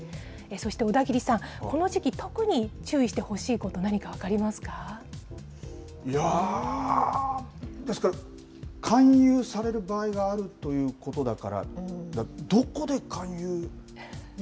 そして、小田切さん、この時期、特に注意してほしいこと、何か分かりますいやー、勧誘される場合があるということだから、どこで勧誘されるんですかね？